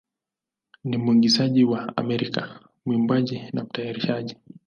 ni mwigizaji wa Amerika, mwimbaji, na mtayarishaji.